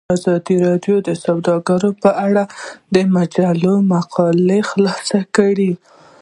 ازادي راډیو د سوداګري په اړه د مجلو مقالو خلاصه کړې.